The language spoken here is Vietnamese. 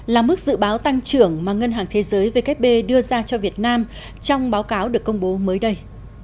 sáu mươi tám là mức dự báo tăng trưởng mà ngân hàng thế giới wkb đưa ra cho việt nam trong báo cáo được công bố mới đây